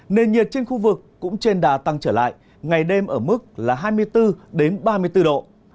nền nhiệt trên khu vực cũng trên đà tăng trở lại ngày đêm ở mức là hai mươi bốn ba mươi bốn độ